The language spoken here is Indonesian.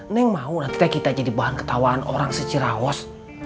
neng mau nanti kita jadi bahan ketawaan orang secirawos